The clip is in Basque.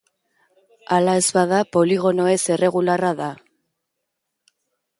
Hala ez bada, poligono ez erregularra da.